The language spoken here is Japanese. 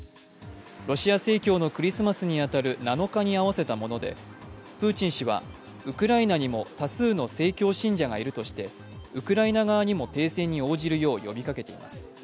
ロシア正教のクリスマスに当たる７日に合わせたものでプーチン氏はウクライナにも多数の正教信者がいるとして、ウクライナ側にも停戦に応じるよう呼びかけています。